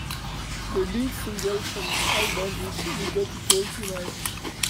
The lead single from the album is "We Got It All Tonight".